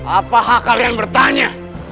apa hak kalian bertanya